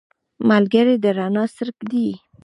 ملګری د رڼا څرک دی